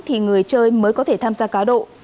thì người chơi mới có thể tham gia cá độ